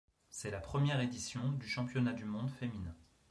C'est la première édition du championnat du monde féminin.